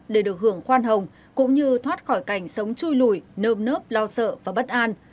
để được hưởng khoan hồng cũng như thoát khỏi cảnh sống chui lủi nơm nớp lo sợ và bất an